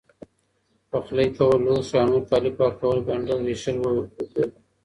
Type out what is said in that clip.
پخلی کول لوښي او نور کالي پاکول، ګنډل، رېشل، ووبدل،